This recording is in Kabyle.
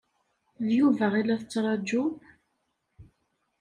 D Yuba i la tettṛaǧum?